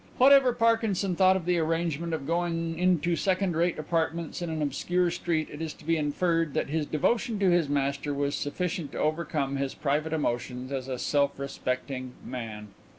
Whatever Parkinson thought of the arrangement of going into second rate apartments in an obscure street it is to be inferred that his devotion to his master was sufficient to overcome his private emotions as a self respecting "man."